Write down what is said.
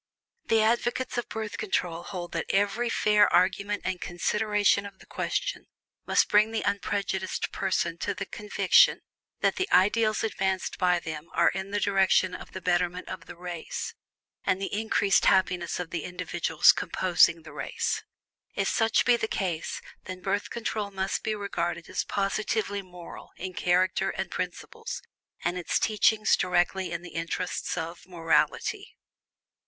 The advocates of Birth Control hold that every fair argument and consideration of the question must bring the unprejudiced person to the conviction that the ideals advanced by them are in the direction of the betterment of the race, and the increased happiness of the individuals composing the race. If such be the case, then Birth Control must be regarded as positively "moral" in character and principles, and its teachings directly in the interests of "morality."